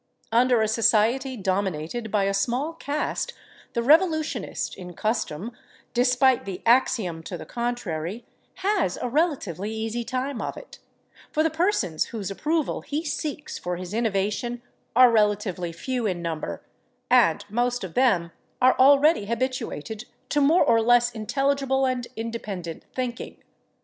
Under a society dominated by a small caste the revolutionist in custom, despite the axiom to the contrary, has a relatively easy time of it, for the persons whose approval he seeks for his innovation are relatively few in number, and most of them are already habituated to more or less intelligible and independent thinking.